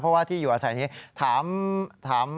เพราะว่าที่อยู่อาศัยนี้ถาม